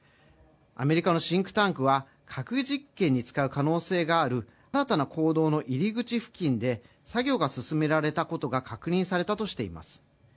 アメリカのシンクタンクは核実験に使う可能性がある新たな坑道の入り口付近で作業が進められたことが確認されたとしています。